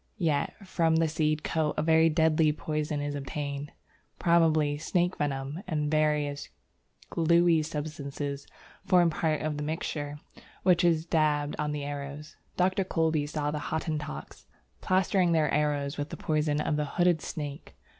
Yet from the seed coat a very deadly poison is obtained; probably snake venom and various gluey substances form part of the mixture, which is daubed on the arrows. Dr. Kolbe saw the Hottentots plastering their arrows with the poison of the hooded snake.